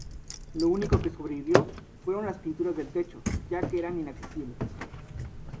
Lo único que sobrevivió fueron las pinturas del techo ya que eran inaccesibles.